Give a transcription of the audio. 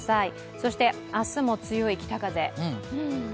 そして明日も強い北風。